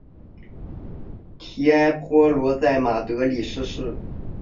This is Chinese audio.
提埃坡罗在马德里逝世。